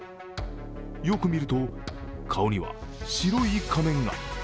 よくみると、顔には白い仮面が。